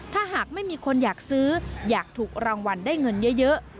ถ้าหากไม่มีคนอยากซื้ออยากถูกรางวัลได้เงินเยอะ